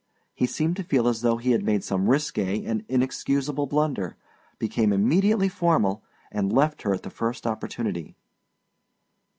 He seemed to feel as though he had made some risqué and inexcusable blunder, became immediately formal and left her at the first opportunity.